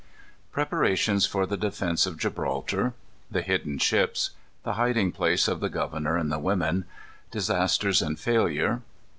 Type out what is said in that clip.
_ Preparations for the Defence of Gibraltar. The Hidden Ships. The Hiding place of the Governor and the Women. Disasters and Failure.